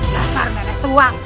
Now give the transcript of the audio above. jasar melek tuang